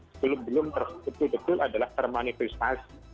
sebelum belum betul betul adalah termanifisasi